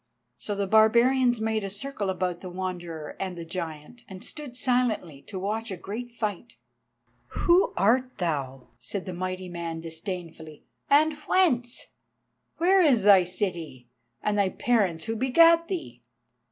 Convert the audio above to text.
So the barbarians made a circle about the Wanderer and the giant, and stood silently to watch a great fight. "Who art thou?" said the mighty man disdainfully, "and whence? Where is thy city, and thy parents who begat thee?"